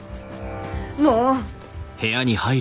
もう！